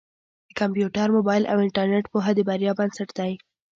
د کمپیوټر، مبایل او انټرنېټ پوهه د بریا بنسټ دی.